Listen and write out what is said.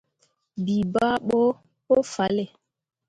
Bii bah ɓo pu fahlle.